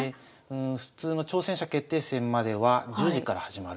普通の挑戦者決定戦までは１０時から始まる。